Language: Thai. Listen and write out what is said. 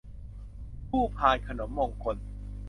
คู่พานขนมมงคล